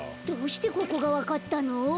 どうしてここがわかったの？